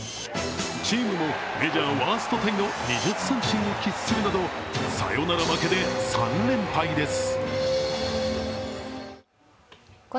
チームもメジャーワーストタイの２０三振を喫するなどサヨナラ負けで、３連敗です。